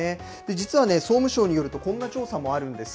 実はね、総務省によると、こんな調査もあるんです。